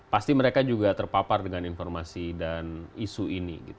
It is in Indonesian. pasti mereka juga terpapar dengan informasi dan isu ini